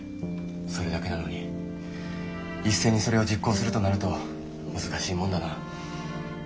それだけなのに一斉にそれを実行するとなると難しいもんだな。